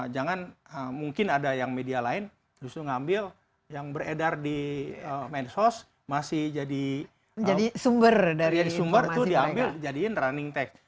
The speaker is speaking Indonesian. jangan mungkin ada yang media lain justru ngambil yang beredar di medsos masih jadi sumber itu diambil jadiin running tech